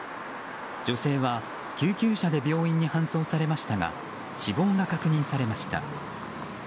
女性は救急車で病院に搬送されましたが死亡が確認されました。